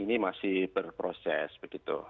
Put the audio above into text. ini masih berproses begitu